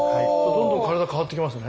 どんどん体変わってきますね。